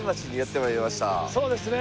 そうですね。